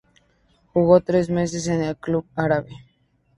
Jugó tres meses en el club árabe.